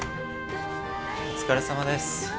お疲れさまです。